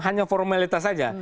hanya formalitas saja